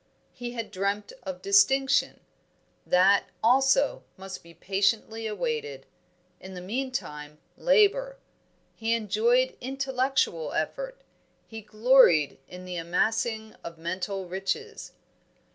He had dreamt of distinction; that, also, must be patiently awaited. In the meantime, labour. He enjoyed intellectual effort; he gloried in the amassing of mental riches.